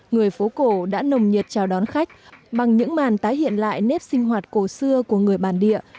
người phố cổ đã nồng nhiệt chào đón khách bằng những màn tái hiện lại nếp sinh hoạt cổ xưa của người bản địa